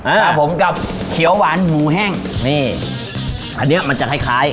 อ่าผมกับเขียวหวานหมูแห้งนี่อันเนี้ยมันจะคล้ายคล้าย